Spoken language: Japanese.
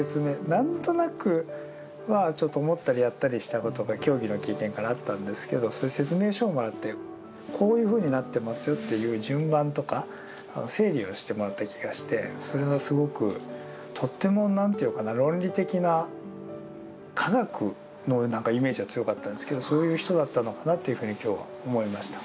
何となく思ったりやったりしたことが競技の経験からあったんですけどそういう説明書をもらってこういうふうになってますよっていう順番とか整理をしてもらった気がしてそれはすごくとっても何ていうかな論理的な科学のイメージが強かったんですけどそういう人だったのかなっていうふうに今日は思いました。